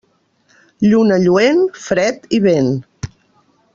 Lluna lluent, fred i vent.